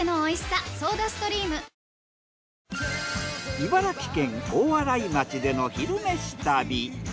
茨城県大洗町での「昼めし旅」。